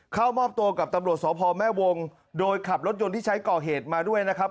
เข้ามอบตัวกับตำรวจสพแม่วงโดยขับรถยนต์ที่ใช้ก่อเหตุมาด้วยนะครับ